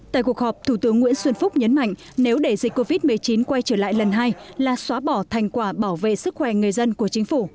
tại cuộc họp thủ tướng nguyễn xuân phúc nhấn mạnh nếu để dịch covid một mươi chín quay trở lại lần hai là xóa bỏ thành quả bảo vệ sức khỏe người dân của chính phủ